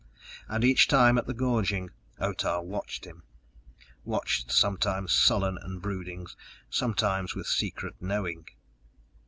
And each time at the gorging Otah watched him watched sometimes sullen and brooding, sometimes with secret knowing.